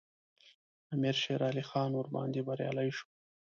امیر شېرعلي خان ورباندې بریالی شو.